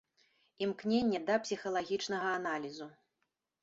Імкненне да псіхалагічнага аналізу.